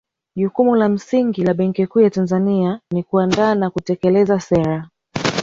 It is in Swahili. Jukumu la msingi la Benki Kuu ya Tanzania ni kuandaa na kutekeleza sera